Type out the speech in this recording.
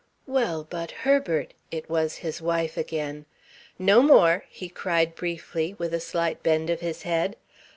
"Well, but, Herbert " It was his wife again. "No more," he cried briefly, with a slight bend of his head.